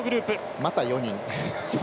また４人。